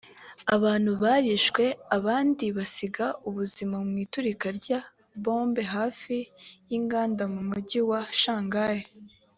Abantu barishwe abandi basiga ubuzima mu iturika rya bombe hafi y’inganda mu mugi wa Shanghai